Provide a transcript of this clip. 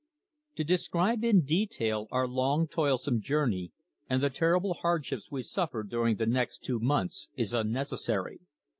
TO describe in detail our long toilsome journey and the terrible hardships we suffered during the next two months is unnecessary.